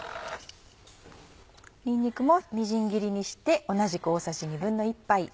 にんにくもみじん切りにして同じく大さじ１／２杯。